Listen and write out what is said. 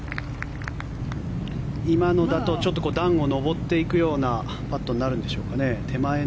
今のだと、ちょっと段を上っていくようなパットになるんでしょうか。